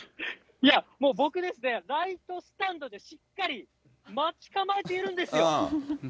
僕ですね、ライトスタンドでしっかり待ち構えているんですよ。